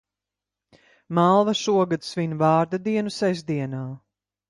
Malva šogad svin vārda dienu sestdienā.